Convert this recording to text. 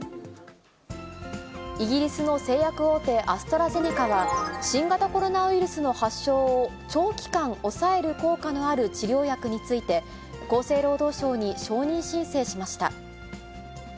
イギリスの製薬大手、アストラゼネカは、新型コロナウイルスの発症を長期間、抑える効果のある治療薬について、厚生労働省に承認申請しました。